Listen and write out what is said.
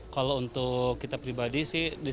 kalau untuk kita pribadi sih